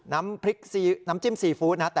น้ำพริกน้ำจิ้มซีฟู้ดนะ